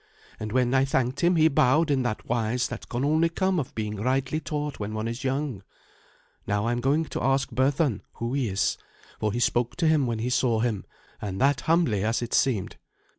And when I thanked him he bowed in that wise that can only come of being rightly taught when one is young. Now, I am going to ask Berthun who he is, for he spoke to him when he saw him, and that humbly, as it seemed."